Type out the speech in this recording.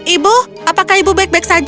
ibu apakah ibu baik baik saja